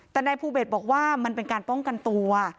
แต่นายภูเบศบอกว่ามันเป็นการป้องกันตัว